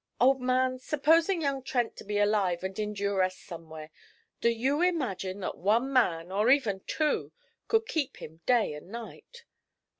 'Old man, supposing young Trent to be alive and in duress somewhere, do you imagine that one man, or even two, could keep him day and night?'